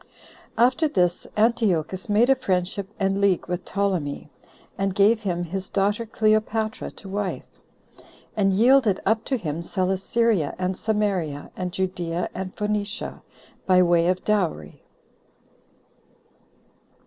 1. After this Antiochus made a friendship and league with Ptolemy, and gave him his daughter Cleopatra to wife, and yielded up to him Celesyria, and Samaria, and Judea, and Phoenicia, by way of dowry.